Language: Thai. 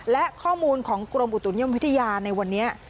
และข้อมูลของกรมอุตุนิยมวิทยาในวันนี้